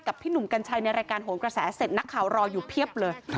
พี่หนุ่มกัญชัยในรายการโหนกระแสเสร็จนักข่าวรออยู่เพียบเลย